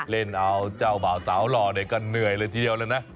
เล่นเอาเจ้าบ่าวสาวหล่อเนี่ยก็เหนื่อยเลยทีเดียวเลยนะ